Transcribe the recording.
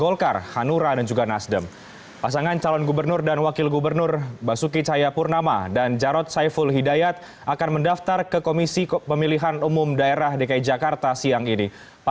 langsung dari kantor komisi pemilihan umum daerah dki jakarta